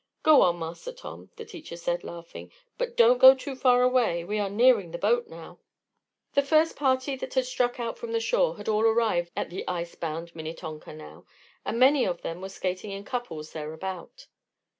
"Go on, Master Tom," the teacher said, laughing. "But don't go too far away. We are nearing the boat now." The first party that had struck out from the shore had all arrived at the ice bound Minnetonka now, and many of them were skating in couples thereabout.